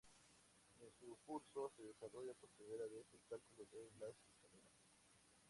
En su "Curso" se desarrolló por primera vez el cálculo de las escaleras.